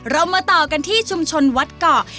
เรามาต่อกันที่ชุมชนวัดเกาะ